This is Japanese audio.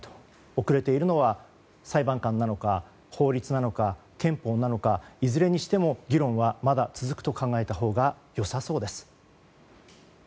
遅れているのは裁判官なのか、法律なのか憲法なのか、いずれにしても議論はまだ続くと考えたほうが良さそうです。